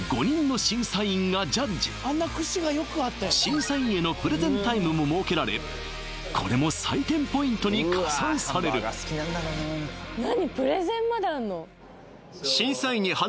審査員へのプレゼンタイムも設けられこれも採点ポイントに加算される何？